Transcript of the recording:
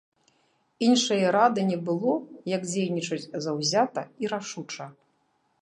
Іншае рады не было як дзейнічаць заўзята і рашуча.